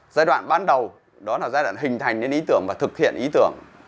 giai đoạn ban đầu đó là giai đoạn hình thành những ý tưởng và thực hiện ý tưởng